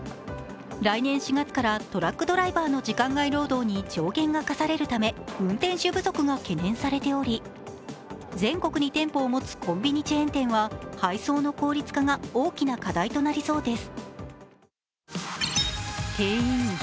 来年４月からトラックドライバーの時間外労働に上限が課されるため運転手不足が懸念されており全国に店舗を持つコンビニチェーン店は配送の効率化が大きな課題となりそうです。